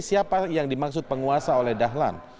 siapa yang dimaksud penguasa oleh dahlan